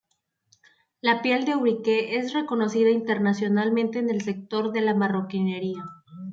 La piel de Ubrique es reconocida internacionalmente en el sector de la marroquinería.